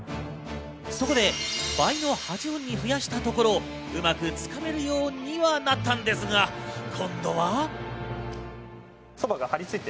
そこで倍の８本に増やしたところ、うまくつかめるようにはなったんですが、今度は。